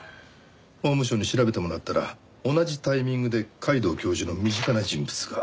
法務省に調べてもらったら同じタイミングで皆藤教授の身近な人物が。